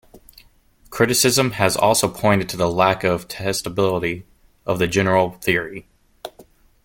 Criticism has also pointed to the lack of testability of the general theory.